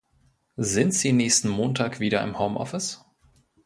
Sind Sie nächsten Montag wieder im Homeoffice?